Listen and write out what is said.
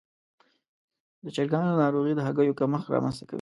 د چرګانو ناروغي د هګیو کمښت رامنځته کوي.